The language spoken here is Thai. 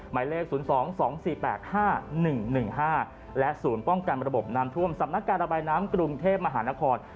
หมายเลข๐๒๒๔๘๕๑๑๕และศูนย์ป้องกันระบบน้ำท่วมสำนักการระบายน้ำกรุงเทพมหานคร